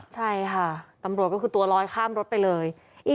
ใช่ค่ะตำรวจก็คือตัวลอยข้ามรถไปเลย